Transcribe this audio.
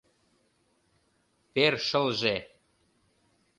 Першылже...